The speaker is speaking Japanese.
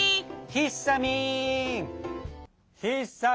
ひさみん。